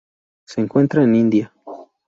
Se encuentra en India.